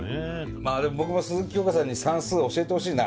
まあでも僕も鈴木京香さんに算数教えてほしいな。